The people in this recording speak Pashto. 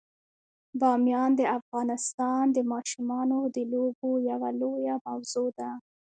بامیان د افغانستان د ماشومانو د لوبو یوه لویه موضوع ده.